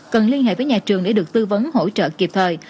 cần liên hệ với nhà trường để được tư vấn hỗ trợ kịp thời